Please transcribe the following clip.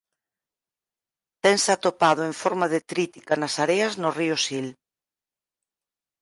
Tense atopado en forma detrítica nas areas no río Sil.